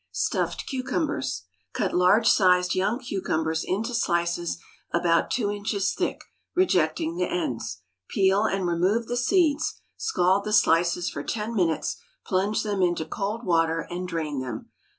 Stuffed Cucumbers. Cut large sized young cucumbers into slices about two inches thick, rejecting the ends. Peel, and remove the seeds; scald the slices for ten minutes, plunge them into cold water, and drain them.